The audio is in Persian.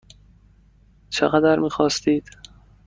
چقدر میخواستید؟